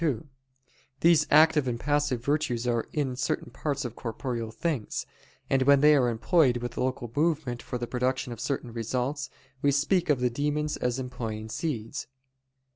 2: These active and passive virtues are in certain parts of corporeal things: and when they are employed with local movement for the production of certain results, we speak of the demons as employing seeds.